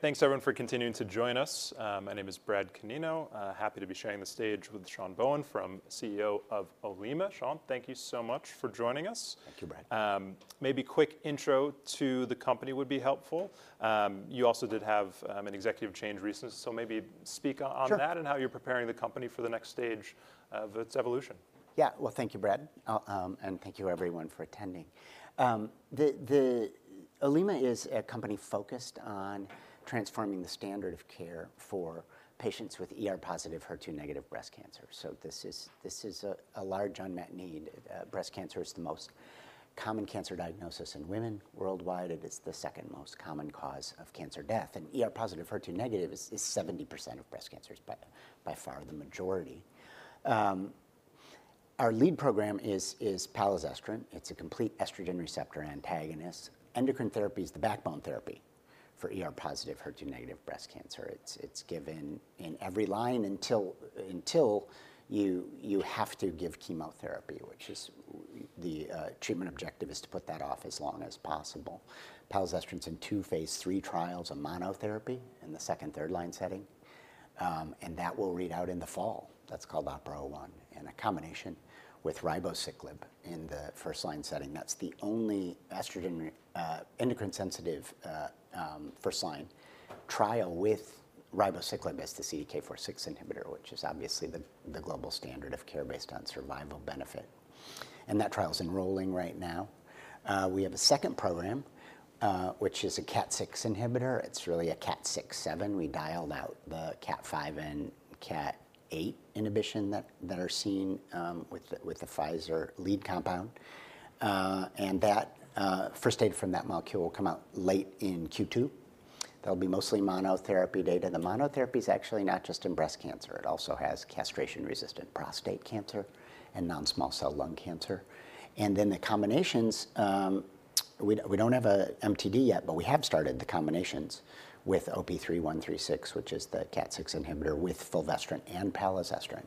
Thanks, everyone, for continuing to join us. My name is Brad Canino. Happy to be sharing the stage with Sean Bohen, CEO of Olema. Sean, thank you so much for joining us. Thank you, Brad. Maybe a quick intro to the company would be helpful. You also did have an executive change recently, so maybe speak on that and how you're preparing the company for the next stage of its evolution. Yeah, well, thank you, Brad, and thank you, everyone, for attending. Olema is a company focused on transforming the standard of care for patients with ER-positive, HER2-negative breast cancer. So this is a large unmet need. Breast cancer is the most common cancer diagnosis in women worldwide. It is the second most common cause of cancer death. And ER-positive, HER2-negative is 70% of breast cancers, by far the majority. Our lead program is palazestrant. It's a complete estrogen receptor antagonist. Endocrine therapy is the backbone therapy for ER-positive, HER2-negative breast cancer. It's given in every line until you have to give chemotherapy, which is the treatment objective is to put that off as long as possible. Palazestrant is in two phase three trials, a monotherapy in the second, third line setting, and that will read out in the fall. That's called OPERA-01, in a combination with ribociclib in the first line setting. That's the only estrogen endocrine-sensitive first line trial with ribociclib is the CDK4/6 inhibitor, which is obviously the global standard of care based on survival benefit. And that trial is enrolling right now. We have a second program, which is a KAT6 inhibitor. It's really a KAT6/7. We dialed out the KAT5 and KAT8 inhibition that are seen with the Pfizer lead compound. And that first data from that molecule will come out late in Q2. That'll be mostly monotherapy data. The monotherapy is actually not just in breast cancer. It also has castration-resistant prostate cancer and non-small cell lung cancer. And then the combinations we don't have an MTD yet, but we have started the combinations with OP-3136, which is the KAT6 inhibitor, with fulvestrant and palazestrant.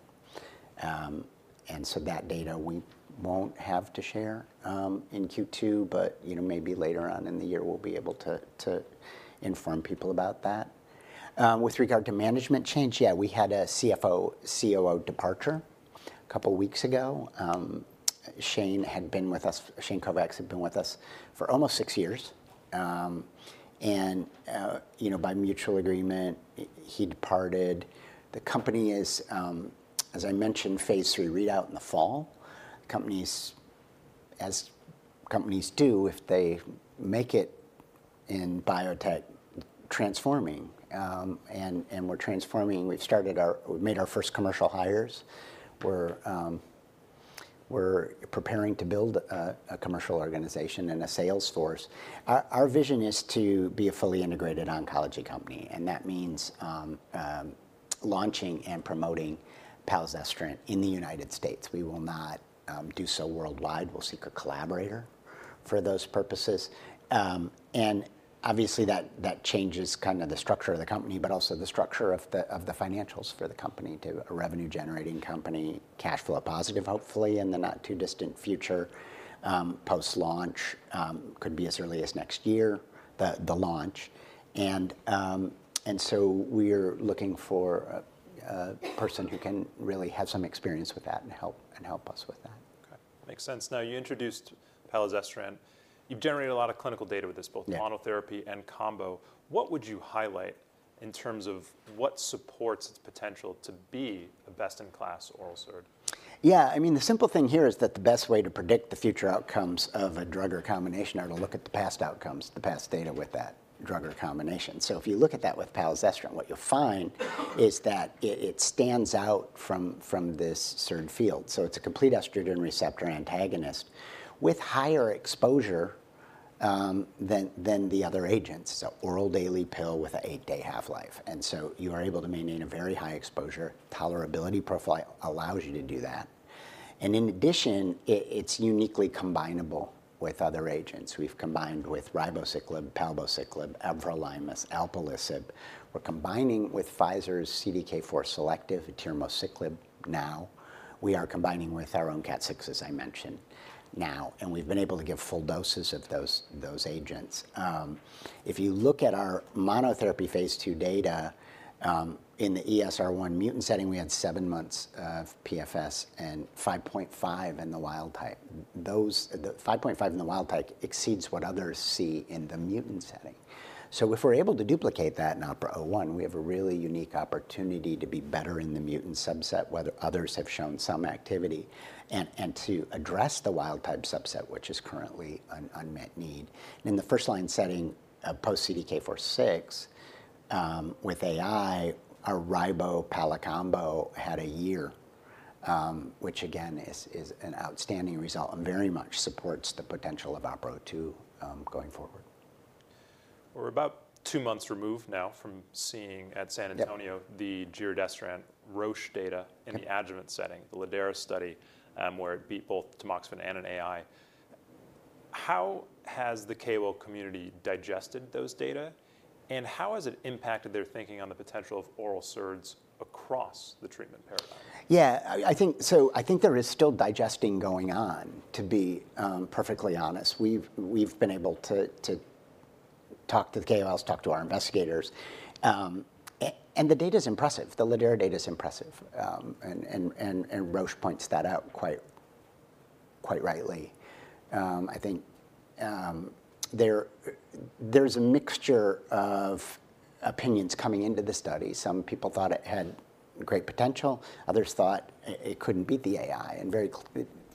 And so that data we won't have to share in Q2, but maybe later on in the year we'll be able to inform people about that. With regard to management change, yeah, we had a CFO/COO departure a couple of weeks ago. Shane Kovacs had been with us for almost six years. And by mutual agreement, he departed. The company is, as I mentioned, phase 3 readout in the fall, as companies do if they make it in biotech transforming. And we're transforming. We've made our first commercial hires. We're preparing to build a commercial organization and a sales force. Our vision is to be a fully integrated oncology company. And that means launching and promoting palazestrant in the United States. We will not do so worldwide. We'll seek a collaborator for those purposes. Obviously, that changes kind of the structure of the company, but also the structure of the financials for the company too, a revenue-generating company, cash flow positive, hopefully, in the not too distant future. Post-launch could be as early as next year, the launch. So we're looking for a person who can really have some experience with that and help us with that. Makes sense. Now, you introduced palazestrant. You've generated a lot of clinical data with this, both monotherapy and combo. What would you highlight in terms of what supports its potential to be a best-in-class oral SERD? Yeah, I mean, the simple thing here is that the best way to predict the future outcomes of a drug or combination are to look at the past outcomes, the past data with that drug or combination. So if you look at that with palazestrant, what you'll find is that it stands out from this SERD field. So it's a complete estrogen receptor antagonist with higher exposure than the other agents. It's an oral daily pill with an eight-day half-life. And so you are able to maintain a very high exposure. Tolerability profile allows you to do that. And in addition, it's uniquely combinable with other agents. We've combined with ribociclib, palbociclib, everolimus, abemaciclib. We're combining with Pfizer's CDK4 selective, atirmociclib now. We are combining with our own KAT6, as I mentioned, now. And we've been able to give full doses of those agents. If you look at our monotherapy phase 2 data in the ESR1 mutant setting, we had 7 months of PFS and 5.5 in the wild type. The 5.5 in the wild type exceeds what others see in the mutant setting. So if we're able to duplicate that in OPERA-01, we have a really unique opportunity to be better in the mutant subset, whether others have shown some activity, and to address the wild type subset, which is currently an unmet need. In the first-line setting, post-CDK4/6, with AI, our ribo-pala combo had a year, which, again, is an outstanding result and very much supports the potential of OPERA-02 going forward. We're about two months removed now from seeing at San Antonio the giredestrant Roche data in the adjuvant setting, the lidERA study where it beat both tamoxifen and an AI. How has the KOL community digested those data? And how has it impacted their thinking on the potential of oral SERDs across the treatment paradigm? Yeah, so I think there is still digesting going on, to be perfectly honest. We've been able to talk to the KOLs, talk to our investigators. And the data is impressive. The lidERA data is impressive. And Roche points that out quite rightly. I think there's a mixture of opinions coming into the study. Some people thought it had great potential. Others thought it couldn't beat the AI. And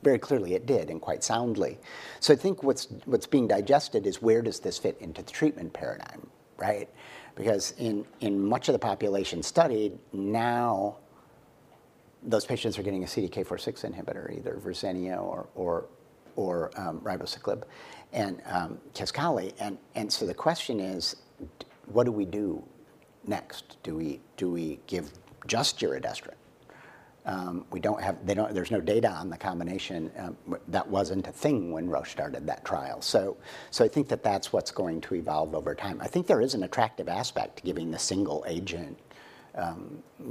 very clearly, it did, and quite soundly. So I think what's being digested is, where does this fit into the treatment paradigm? Because in much of the population studied now, those patients are getting a CDK4/6 inhibitor, either Verzenio or ribociclib and Kisqali. And so the question is, what do we do next? Do we give just giredestrant? There's no data on the combination. That wasn't a thing when Roche started that trial. So I think that that's what's going to evolve over time. I think there is an attractive aspect to giving the single agent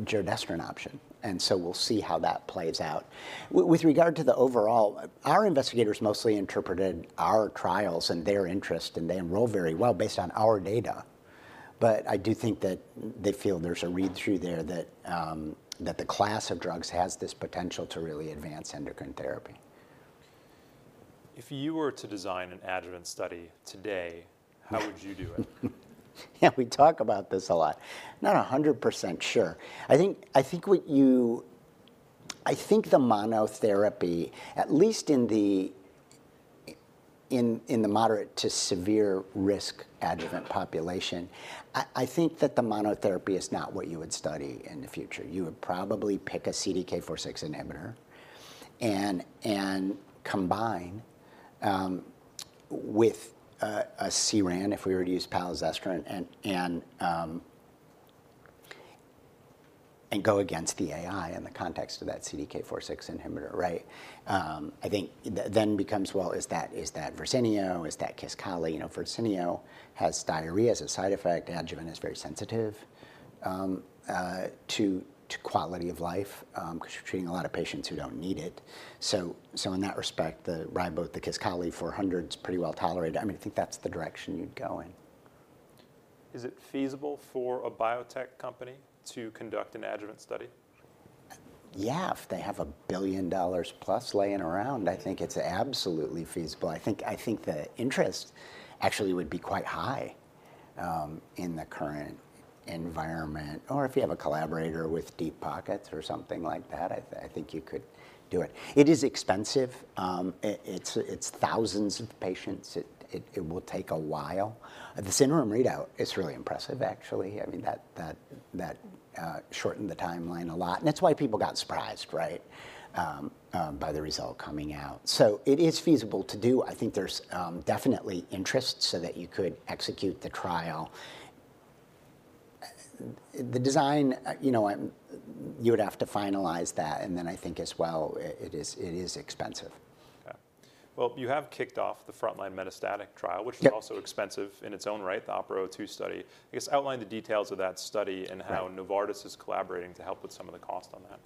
giredestrant option. And so we'll see how that plays out. With regard to the overall, our investigators mostly interpreted our trials in their interest. And they enroll very well based on our data. But I do think that they feel there's a read-through there that the class of drugs has this potential to really advance endocrine therapy. If you were to design an adjuvant study today, how would you do it? Yeah, we talk about this a lot. Not 100% sure. I think the monotherapy, at least in the moderate to severe risk adjuvant population, I think that the monotherapy is not what you would study in the future. You would probably pick a CDK4/6 inhibitor and combine with a CERAN, if we were to use palazestrant, and go against the AI in the context of that CDK4/6 inhibitor. I think then becomes, well, is that Verzenio? Is that Kisqali? Verzenio has diarrhea as a side effect. Adjuvant is very sensitive to quality of life, because you're treating a lot of patients who don't need it. So in that respect, the ribo, the Kisqali 400 is pretty well tolerated. I mean, I think that's the direction you'd go in. Is it feasible for a biotech company to conduct an adjuvant study? Yeah, if they have $1 billion plus lying around, I think it's absolutely feasible. I think the interest actually would be quite high in the current environment. Or if you have a collaborator with deep pockets or something like that, I think you could do it. It is expensive. It's thousands of patients. It will take a while. The surrogate readout is really impressive, actually. I mean, that shortened the timeline a lot. And that's why people got surprised by the result coming out. So it is feasible to do. I think there's definitely interest so that you could execute the trial. The design, you would have to finalize that. And then I think, as well, it is expensive. Well, you have kicked off the frontline metastatic trial, which is also expensive in its own right, the OPERA-02 study. I guess, outline the details of that study and how Novartis is collaborating to help with some of the cost on that.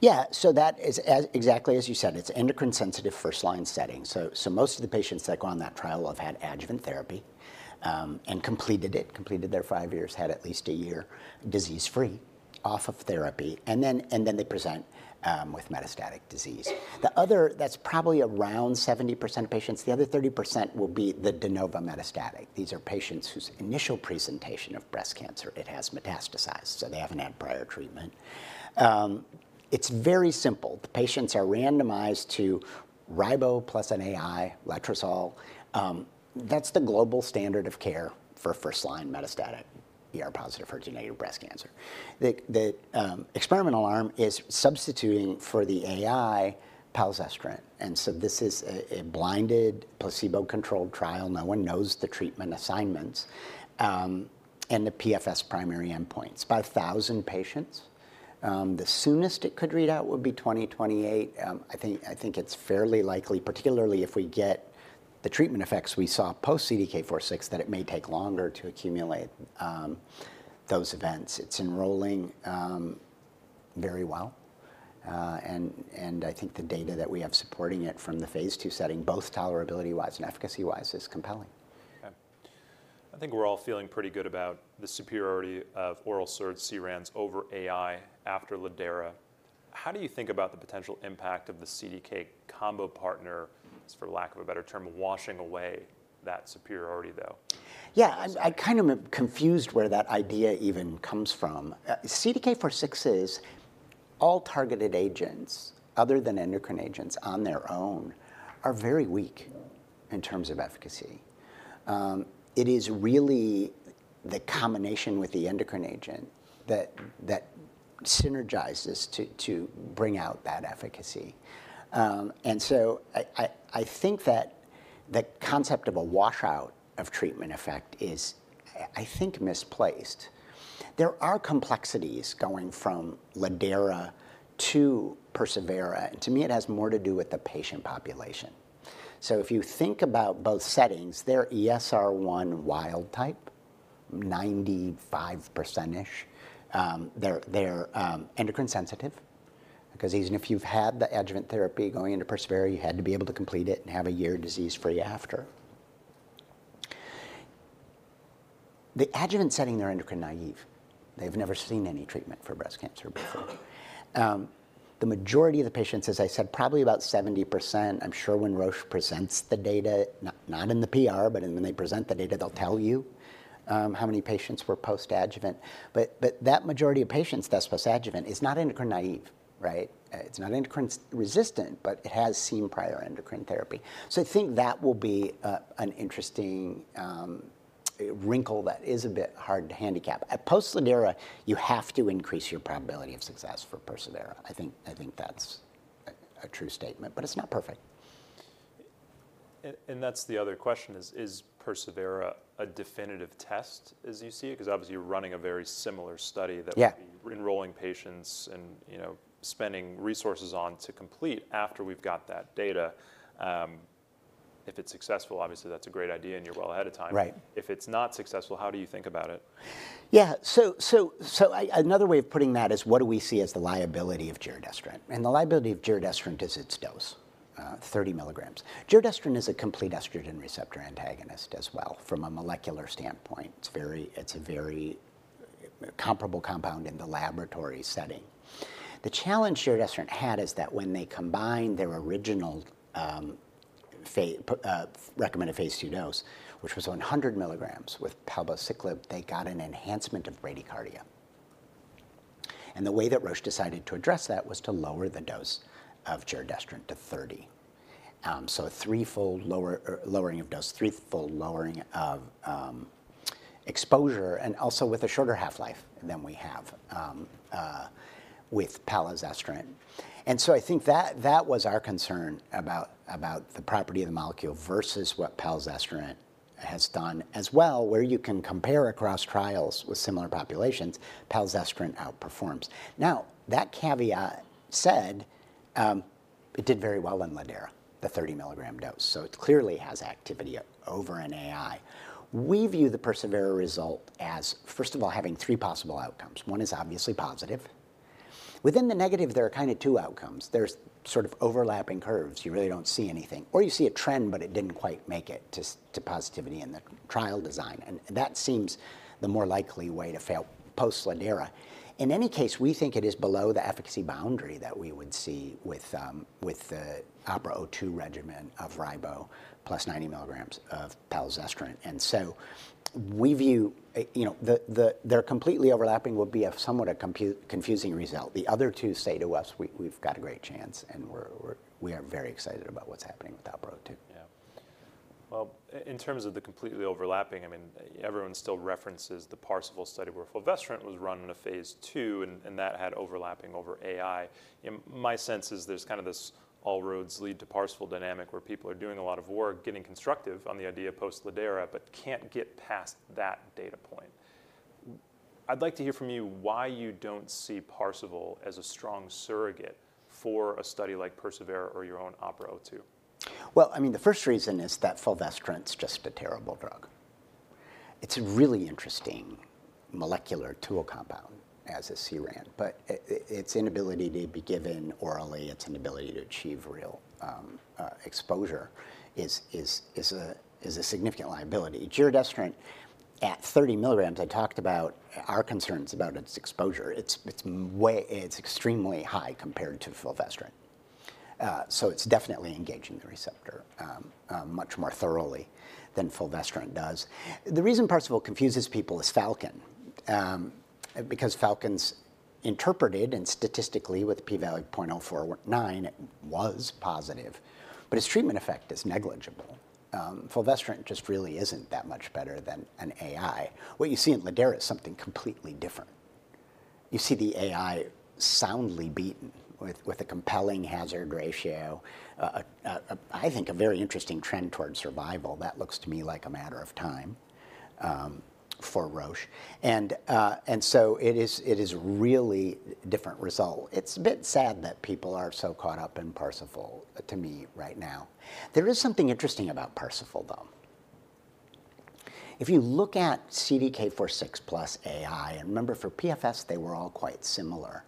Yeah, so that is exactly as you said. It's endocrine-sensitive first line setting. So most of the patients that go on that trial have had adjuvant therapy and completed it, completed their five years, had at least a year disease-free off of therapy. And then they present with metastatic disease. That's probably around 70% of patients. The other 30% will be the de novo metastatic. These are patients whose initial presentation of breast cancer, it has metastasized. So they haven't had prior treatment. It's very simple. The patients are randomized to ribo plus an AI, letrozole. That's the global standard of care for first line metastatic ER-positive, HER2-negative breast cancer. The experimental arm is substituting for the AI palazestrant. And so this is a blinded, placebo-controlled trial. No one knows the treatment assignments and the PFS primary endpoints. About 1,000 patients. The soonest it could read out would be 2028. I think it's fairly likely, particularly if we get the treatment effects we saw post-CDK4/6, that it may take longer to accumulate those events. It's enrolling very well. I think the data that we have supporting it from the phase two setting, both tolerability-wise and efficacy-wise, is compelling. I think we're all feeling pretty good about the superiority of oral SERDs, CERANs, over AI after lidERA. How do you think about the potential impact of the CDK combo partner, for lack of a better term, washing away that superiority, though? Yeah, I'm kind of confused where that idea even comes from. CDK4/6 is all targeted agents, other than endocrine agents on their own, are very weak in terms of efficacy. It is really the combination with the endocrine agent that synergizes to bring out that efficacy. And so I think that the concept of a washout of treatment effect is, I think, misplaced. There are complexities going from lidERA to persevERA. And to me, it has more to do with the patient population. So if you think about both settings, they're ESR1 wild type, 95%-ish. They're endocrine-sensitive. Because even if you've had the adjuvant therapy going into persevERA, you had to be able to complete it and have a year disease-free after. The adjuvant setting, they're endocrine naive. They've never seen any treatment for breast cancer before. The majority of the patients, as I said, probably about 70%, I'm sure when Roche presents the data, not in the PR, but when they present the data, they'll tell you how many patients were post-adjuvant. But that majority of patients that's post-adjuvant is not endocrine naive. It's not endocrine-resistant, but it has seen prior endocrine therapy. So I think that will be an interesting wrinkle that is a bit hard to handicap. Post-lidERA, you have to increase your probability of success for persevERA. I think that's a true statement. But it's not perfect. That's the other question. Is persevERA a definitive test, as you see it? Because obviously, you're running a very similar study that would be enrolling patients and spending resources on to complete after we've got that data. If it's successful, obviously, that's a great idea. You're well ahead of time. If it's not successful, how do you think about it? Yeah, so another way of putting that is, what do we see as the liability of giredestrant? And the liability of giredestrant is its dose, 30 milligrams. Giredestrant is a complete estrogen receptor antagonist as well, from a molecular standpoint. It's a very comparable compound in the laboratory setting. The challenge giredestrant had is that when they combined their original recommended phase two dose, which was 100 milligrams with palbociclib, they got an enhancement of bradycardia. And the way that Roche decided to address that was to lower the dose of giredestrant to 30, so a threefold lowering of dose, threefold lowering of exposure, and also with a shorter half-life than we have with palazestrant. And so I think that was our concern about the property of the molecule versus what palazestrant has done, as well, where you can compare across trials with similar populations. Palazestrant outperforms. Now, that caveat said, it did very well in lidERA, the 30 mg dose. So it clearly has activity over an AI. We view the persevERA result as, first of all, having three possible outcomes. One is obviously positive. Within the negative, there are kind of two outcomes. There's sort of overlapping curves. You really don't see anything. Or you see a trend, but it didn't quite make it to positivity in the trial design. And that seems the more likely way to fail post-lidERA. In any case, we think it is below the efficacy boundary that we would see with the OPERA-02 regimen of ribo plus 90 mg of palazestrant. And so we view their completely overlapping would be somewhat a confusing result. The other two say to us, we've got a great chance. And we are very excited about what's happening with OPERA-02. Yeah, well, in terms of the completely overlapping, I mean, everyone still references the PARSIFAL study, where fulvestrant was run in a phase II. And that had overlapping over AI. My sense is there's kind of this all roads lead to PARSIFAL dynamic, where people are doing a lot of work, getting constructive on the idea post-lidERA, but can't get past that data point. I'd like to hear from you why you don't see PARSIFAL as a strong surrogate for a study like persevERA or your own OPERA-02. Well, I mean, the first reason is that fulvestrant is just a terrible drug. It's a really interesting molecular tool compound, as a CERAN. But its inability to be given orally, its inability to achieve real exposure is a significant liability. Giredestrant, at 30 milligrams, I talked about our concerns about its exposure. It's extremely high compared to fulvestrant. So it's definitely engaging the receptor much more thoroughly than fulvestrant does. The reason PARSIFAL confuses people is FALCON. Because FALCON's interpreted and statistically, with p-value of 0.049, it was positive. But its treatment effect is negligible. Fulvestrant just really isn't that much better than an AI. What you see in lidERA is something completely different. You see the AI soundly beaten with a compelling hazard ratio, I think, a very interesting trend toward survival. That looks to me like a matter of time for Roche. And so it is a really different result. It's a bit sad that people are so caught up in PARSIFAL, to me, right now. There is something interesting about PARSIFAL, though. If you look at CDK4/6 plus AI and remember, for PFS, they were all quite similar.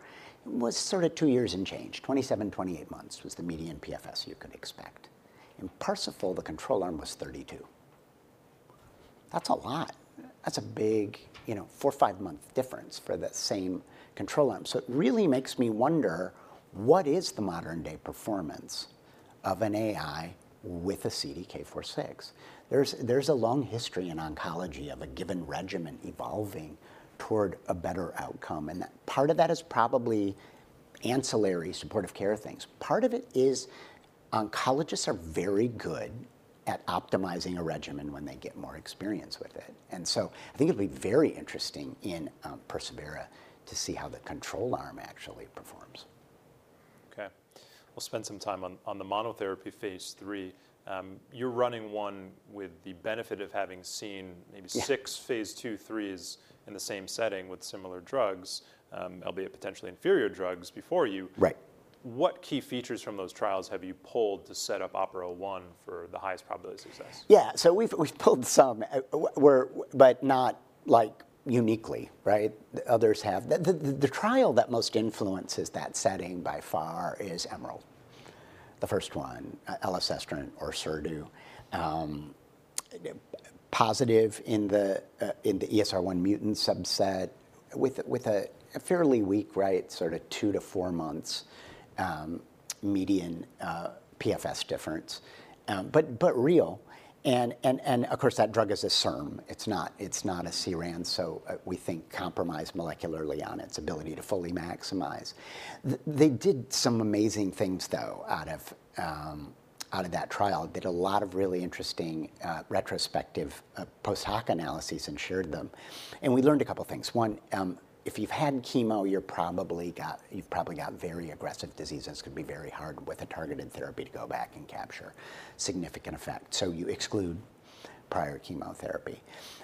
It was sort of 2 years and change, 27-28 months was the median PFS you could expect. In PARSIFAL, the control arm was 32. That's a lot. That's a big 4-5-month difference for the same control arm. So it really makes me wonder, what is the modern-day performance of an AI with a CDK4/6? There's a long history in oncology of a given regimen evolving toward a better outcome. And part of that is probably ancillary supportive care things. Part of it is oncologists are very good at optimizing a regimen when they get more experience with it. And so I think it would be very interesting in persevERA to see how the control arm actually performs. We'll spend some time on the monotherapy phase 3. You're running one with the benefit of having seen maybe 6 phase 2, 3s in the same setting with similar drugs, albeit potentially inferior drugs, before you. What key features from those trials have you pulled to set up OPERA-01 for the highest probability of success? Yeah, so we've pulled some, but not uniquely. Others have. The trial that most influences that setting, by far, is EMERALD, the first one, elacestrant or Orserdu, positive in the ESR1 mutant subset with a fairly weak, sort of 2-4 months median PFS difference, but real. And of course, that drug is a SERD. It's not a CERAN. So we think compromised molecularly on its ability to fully maximize. They did some amazing things, though, out of that trial. They did a lot of really interesting retrospective post-hoc analyses and shared them. And we learned a couple of things. One, if you've had chemo, you've probably got very aggressive disease. And this could be very hard with a targeted therapy to go back and capture significant effect. So you exclude prior chemotherapy.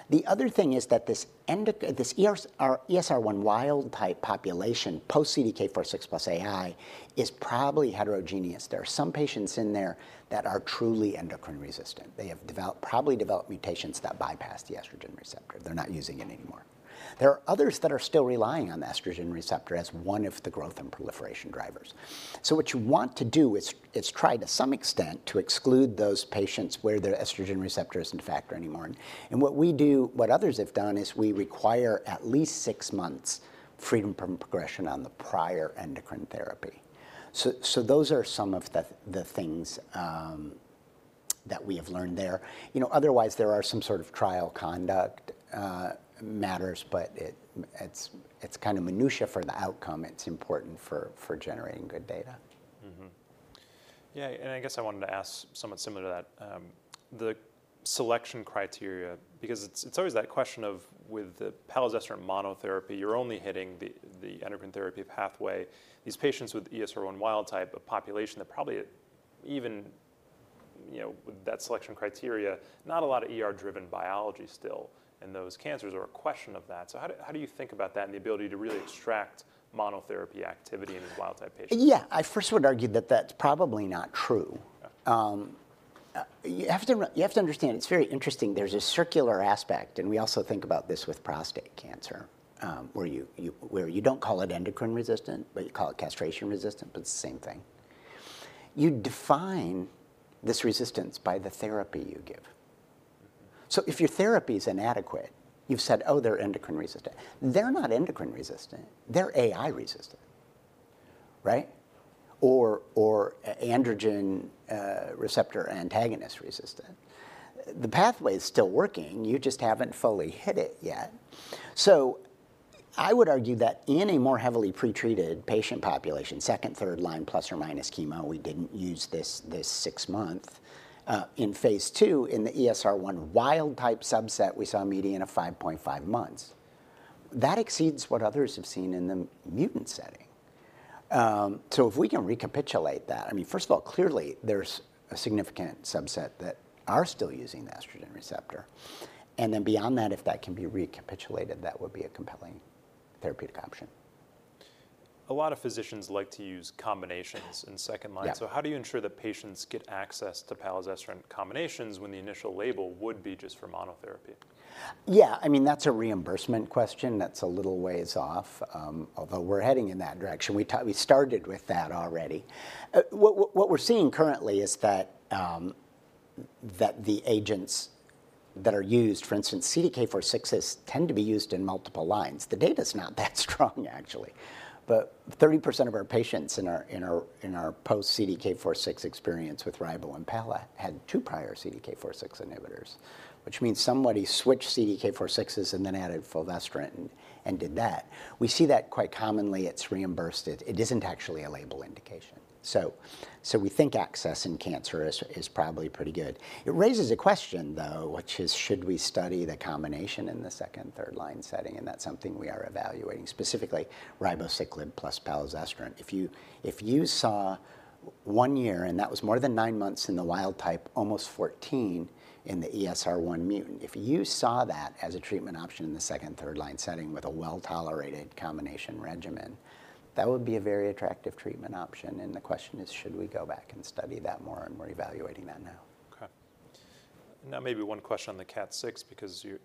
The other thing is that this ESR1 wild type population, post-CDK4/6 plus AI, is probably heterogeneous. There are some patients in there that are truly endocrine-resistant. They have probably developed mutations that bypass the estrogen receptor. They're not using it anymore. There are others that are still relying on the estrogen receptor as one of the growth and proliferation drivers. So what you want to do is try, to some extent, to exclude those patients where their estrogen receptor isn't a factor anymore. And what we do, what others have done, is we require at least six months freedom from progression on the prior endocrine therapy. So those are some of the things that we have learned there. Otherwise, there are some sort of trial conduct matters. But it's kind of minutiae for the outcome. It's important for generating good data. Yeah, and I guess I wanted to ask somewhat similar to that, the selection criteria. Because it's always that question of, with the palazestrant monotherapy, you're only hitting the endocrine therapy pathway. These patients with ESR1 wild-type, a population that probably, even with that selection criteria, not a lot of ER-driven biology still in those cancers or a question of that. So how do you think about that and the ability to really extract monotherapy activity in these wild-type patients? Yeah, I first would argue that that's probably not true. You have to understand, it's very interesting. There's a circular aspect. And we also think about this with prostate cancer, where you don't call it endocrine-resistant, but you call it castration-resistant. But it's the same thing. You define this resistance by the therapy you give. So if your therapy is inadequate, you've said, oh, they're endocrine-resistant. They're not endocrine-resistant. They're AI-resistant or androgen receptor antagonist resistant. The pathway is still working. You just haven't fully hit it yet. So I would argue that in a more heavily pretreated patient population, second, third line plus or minus chemo, we didn't use this six months. In phase 2, in the ESR1 wild type subset, we saw a median of 5.5 months. That exceeds what others have seen in the mutant setting. So if we can recapitulate that, I mean, first of all, clearly, there's a significant subset that are still using the estrogen receptor. And then beyond that, if that can be recapitulated, that would be a compelling therapeutic option. A lot of physicians like to use combinations in second line. So how do you ensure that patients get access to palazestrant combinations when the initial label would be just for monotherapy? Yeah, I mean, that's a reimbursement question that's a little ways off, although we're heading in that direction. We started with that already. What we're seeing currently is that the agents that are used, for instance, CDK4/6s tend to be used in multiple lines. The data is not that strong, actually. But 30% of our patients in our post-CDK4/6 experience with ribo and pala had two prior CDK4/6 inhibitors, which means somebody switched CDK4/6s and then added fulvestrant and did that. We see that quite commonly. It's reimbursed. It isn't actually a label indication. So we think access in cancer is probably pretty good. It raises a question, though, which is, should we study the combination in the second, third line setting? And that's something we are evaluating, specifically ribociclib plus palazestrant. If you saw one year, and that was more than nine months in the wild type, almost 14 in the ESR1 mutant, if you saw that as a treatment option in the second, third line setting with a well-tolerated combination regimen, that would be a very attractive treatment option. And the question is, should we go back and study that more? And we're evaluating that now. Now maybe one question on the KAT6 because you.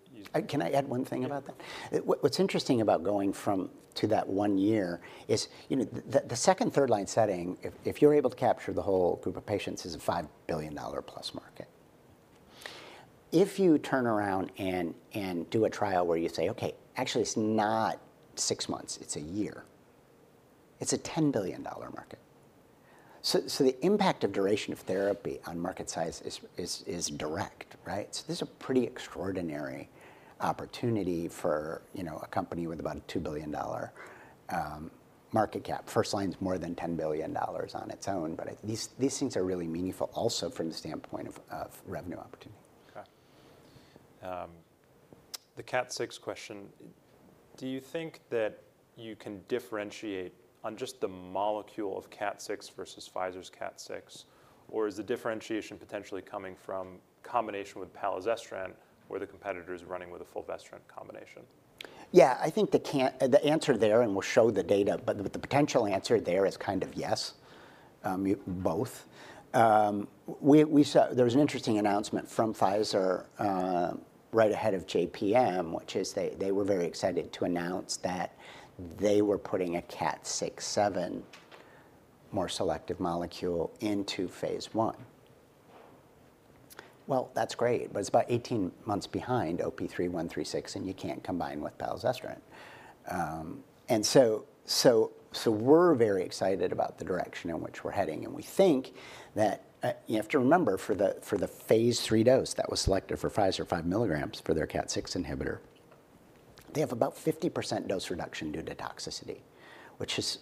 Can I add one thing about that? What's interesting about going to that one year is the second, third line setting, if you're able to capture the whole group of patients, is a $5 billion+ market. If you turn around and do a trial where you say, OK, actually, it's not six months. It's a year. It's a $10 billion market. So the impact of duration of therapy on market size is direct. So this is a pretty extraordinary opportunity for a company with about a $2 billion market cap. First line is more than $10 billion on its own. But these things are really meaningful also from the standpoint of revenue opportunity. The KAT6 question, do you think that you can differentiate on just the molecule of KAT6 versus Pfizer's KAT6? Or is the differentiation potentially coming from combination with palazestrant, where the competitor is running with a fulvestrant combination? Yeah, I think the answer there, and we'll show the data, but the potential answer there is kind of yes, both. There was an interesting announcement from Pfizer right ahead of JPM, which is they were very excited to announce that they were putting a KAT6/7 more selective molecule into phase one. Well, that's great. But it's about 18 months behind OP-3136. And you can't combine with palazestrant. And so we're very excited about the direction in which we're heading. And we think that you have to remember, for the phase three dose that was selected for Pfizer 5 milligrams for their KAT6 inhibitor, they have about 50% dose reduction due to toxicity, which is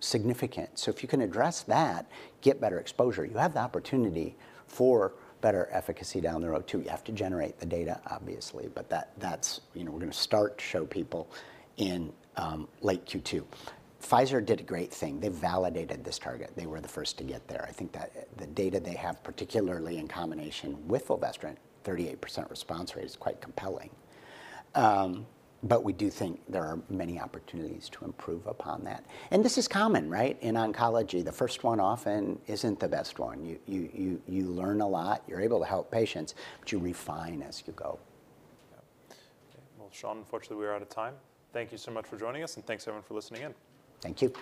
significant. So if you can address that, get better exposure, you have the opportunity for better efficacy down the road too. You have to generate the data, obviously. We're going to start to show people in late Q2. Pfizer did a great thing. They validated this target. They were the first to get there. I think that the data they have, particularly in combination with fulvestrant, 38% response rate is quite compelling. But we do think there are many opportunities to improve upon that. And this is common in oncology. The first one often isn't the best one. You learn a lot. You're able to help patients. But you refine as you go. Well, Sean, unfortunately, we are out of time. Thank you so much for joining us. Thanks, everyone, for listening in. Thank you.